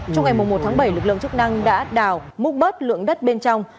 trong ngày một tháng bảy lực lượng chức năng đã đào múc bớt lượng đất bên trong